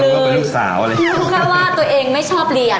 รู้แค่ว่าตัวเองไม่ชอบเรียน